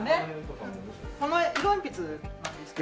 この色鉛筆なんですけど。